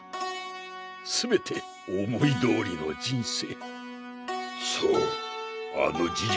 全て思いどおりの人生。